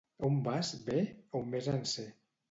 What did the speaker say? —On vas, bé? —On més en sé.